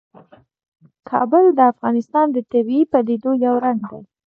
کابل د افغانستان د طبیعي پدیدو یو رنګ دی.